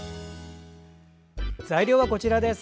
材料はこちらです。